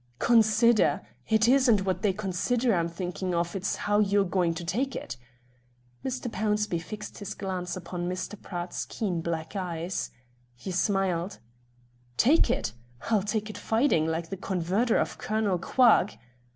"Consider! It isn't what they consider I'm thinking of, it's how you're going to take it." Mr. Pownceby fixed his glance on Mr. Pratt's keen black eyes. He smiled. "Take it? I'll take it fighting, like the converter of Colonel Quagg!"